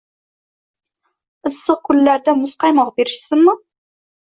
Issiq kunlarda muzqaymoq berishsinmi?